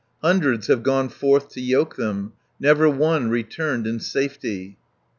Hundreds have gone forth to yoke them; Never one returned in safety."